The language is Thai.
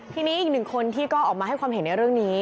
ทีนี้อีกหนึ่งคนที่ก็ออกมาให้ความเห็นในเรื่องนี้